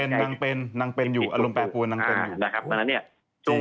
นางเป็นนางเป็นอยู่อารมณ์แปลปวนนางเป็นอยู่